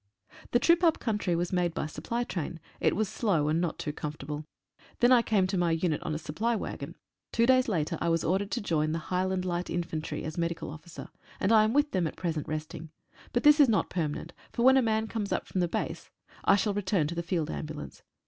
The trip up country was made by supply train ; it was slow, and not too comfortable. Then I came to my unit on a supply waggon. Two days later I was ordered to join the Highland Light Infantry, as Medical Officer, and I am with them at present resting; but this is not permanent, for when a man comes up from the base I shall return to the Field Ambulance.